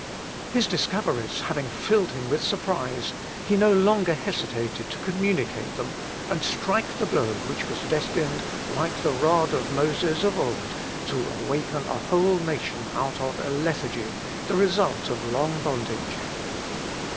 His discoveries having filled him with surprise, he no longer hesitated to communicate them and strike the blow which was destined, like the rod of Moses of old, to awaken a whole nation out of a lethargy, the result of long bondage.